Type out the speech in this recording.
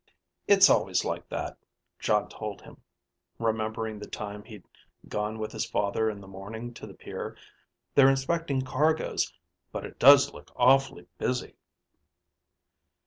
"It's always like that," Jon told him, remembering the time he'd gone with his father in the morning to the pier. "They're inspecting cargoes. But it does look awfully busy."